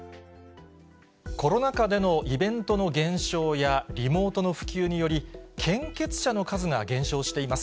コロナ禍でのイベントの減少や、リモートの普及により、献血者の数が減少しています。